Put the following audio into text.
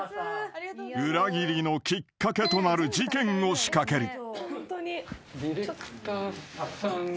［裏切りのきっかけとなる事件を仕掛ける］